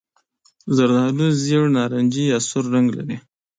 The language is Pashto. زردالو ژېړ نارنجي یا سور رنګ لري.